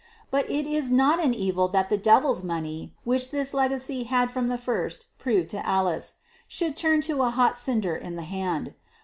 But it is not an evil that the devil's money, which this legacy had from the first proved to Alice, should turn to a hot cinder in the hand.